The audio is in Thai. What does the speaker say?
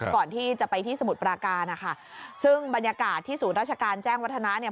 ก่อนที่จะไปที่สมุทรปราการนะคะซึ่งบรรยากาศที่ศูนย์ราชการแจ้งวัฒนาเนี่ย